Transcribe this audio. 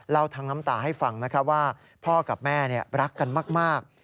ทั้งน้ำตาให้ฟังนะครับว่าพ่อกับแม่รักกันมาก